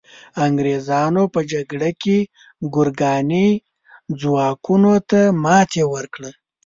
انګریزانو په جګړه کې ګورکاني ځواکونو ته ماتي ورکړه.